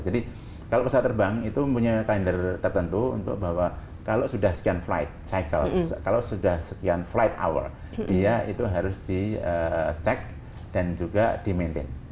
jadi kalau pesawat terbang itu punya calendar tertentu untuk bahwa kalau sudah sekian flight cycle kalau sudah sekian flight hour dia itu harus dicek dan juga di maintain